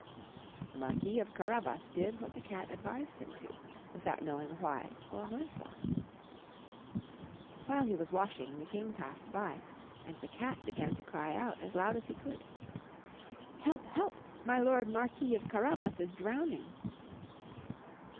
The Marquis of Carabas did what the Cat advised him to, without knowing why or wherefore. While he was washing, the King passed by, and the Cat began to cry out, as loud as he could: "Help, help, my lord Marquis of Carabas is drowning."